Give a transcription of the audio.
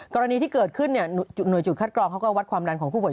กรณีที่เกิดขึ้นหน่วยจุดคัดกรองเขาก็วัดความดันของผู้ปว